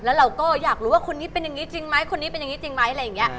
แล้วเราก็อยากรู้ว่าคนนี้เป็นอย่างนี้จริงไหมคนนี้เป็นอย่างนี้จริงไหมอะไรอย่างนี้